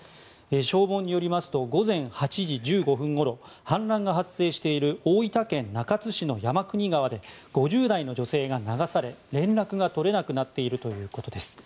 消防によりますと午前８時１５分ごろ氾濫が発生している大分県中津市の山国川で５０代の女性が流され連絡が取れなくなっているということです。